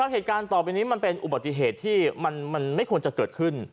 เหตุการณ์ต่อไปนี้มันเป็นอุบัติเหตุที่มันไม่ควรจะเกิดขึ้น